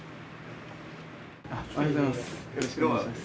おはようございます。